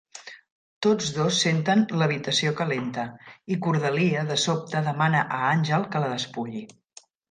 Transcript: Tots dos senten l'habitació calenta, i Cordelia de sobte demana a Angel que la despulli.